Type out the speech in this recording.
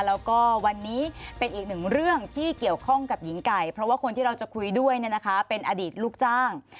แล้วก็วันนี้เป็นอีกหนึ่งเรื่องที่เกี่ยวข้องกับหญิงไก่เพราะว่าคนที่เราจะคุยด้วยเป็นอดีตลูกจ้าง